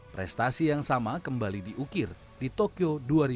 prestasi yang sama kembali diukir di tokyo dua ribu dua puluh